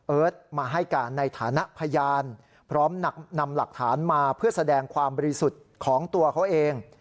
มาให้การในฐานะพยานพร้อมนำหลักฐานมาเพื่อแสดงความบริสุทธิ์ของตัวเขาเอง